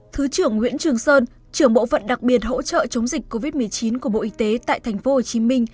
thứ trưởng nguyễn trường sơn trưởng bộ phận đặc biệt hỗ trợ chống dịch covid một mươi chín của bộ y tế tại tp hcm